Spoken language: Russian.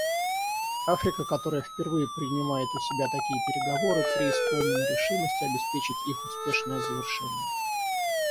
Африка, которая впервые принимает у себя такие переговоры, преисполнена решимости обеспечить их успешное завершение.